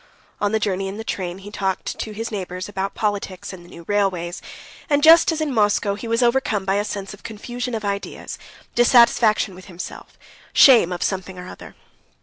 On the journey in the train he talked to his neighbors about politics and the new railways, and, just as in Moscow, he was overcome by a sense of confusion of ideas, dissatisfaction with himself, shame of something or other.